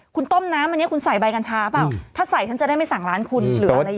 คุณต้มน้ำอันนี้คุณใส่ใบกัญชาเปล่าถ้าใส่ฉันจะได้ไม่สั่งร้านคุณหรืออะไรอย่างนี้